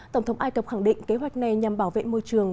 tổng thống ai cập khẳng định kế hoạch này nhằm bảo vệ môi trường